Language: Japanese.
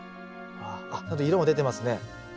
ちゃんと色も出てますね。